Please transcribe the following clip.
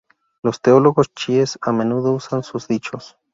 Lo teólogos chiíes a menudo usan sus dichos.